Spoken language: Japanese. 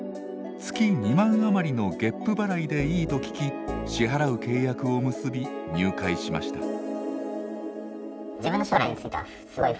月２万余りの月賦払いでいいと聞き支払う契約を結び入会しました。